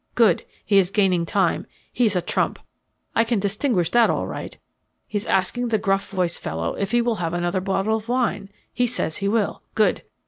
"Good he is gaining time. He is a trump. I can distinguish that all right. He's asking the gruff voiced fellow if he will have another bottle of wine. He says he will. Good.